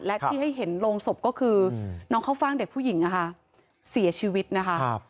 และที่ให้เห็นโรงศพก็คือน้องเข้าฟ่างเด็กผู้หญิงเสียชีวิตนะคะ